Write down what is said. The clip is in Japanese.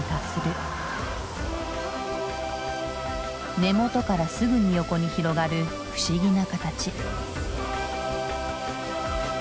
根元からすぐに横に広がる不思議な形。